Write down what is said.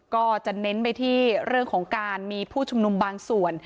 ก็จะเน้นไปที่เรื่องของการมีผู้ชุมนุมบางส่วน